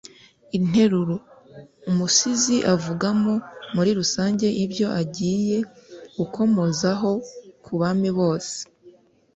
interuro, umusizi avugamo muri rusange ibyo agiye gukomozaho ku bami bose